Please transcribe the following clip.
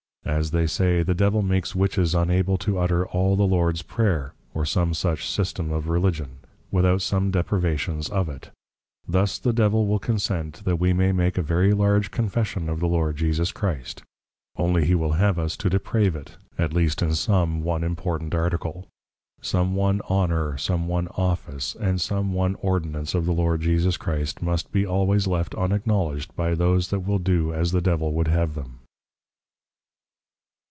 _ As they say, the Devil makes Witches unable to utter all the Lords Prayer, or some such System of Religion, without some Deprevations of it; thus the Devil will consent that we may make a very large Confession of the Lord Jesus Christ; only he will have us to deprave it, at least in some one Important Article. Some one Honour, some one Office, and some one Ordinance of the Lord Jesus Christ, must be always left unacknowledged, by those that will do as the Devil would have them.